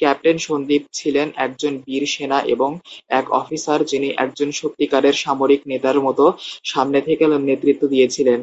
Captain Sandeep ছিলেন একজন বীর সেনা এবং এক অফিসার, যিনি একজন সত্যিকারের সামরিক নেতার মতো সামনে থেকে নেতৃত্ব দিয়েছিলেন।